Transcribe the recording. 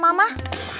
ini apa sih